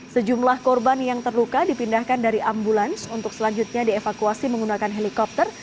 sejumlah korban yang terluka dipindahkan dari ambulans untuk selanjutnya dievakuasi menggunakan helikopter